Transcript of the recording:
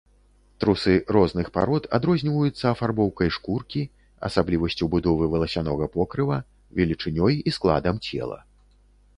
Трусы розных парод адрозніваюцца афарбоўкай шкуркі, асаблівасцю будовы валасянога покрыва, велічынёй і складам цела.